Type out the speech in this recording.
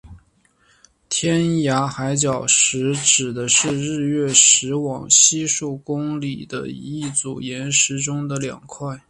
天涯海角石指的是日月石往西数公里的一组岩石中的两块。